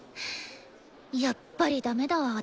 やっぱりダメだわ私。